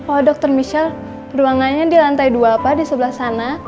oh dokter michelle ruangannya di lantai dua apa di sebelah sana